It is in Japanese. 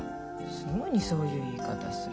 すぐにそういう言い方する。